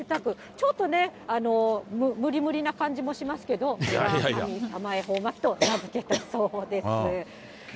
ちょっとね、無理無理な感じもしますけど、むらかみさま恵方巻と名付けたそうです。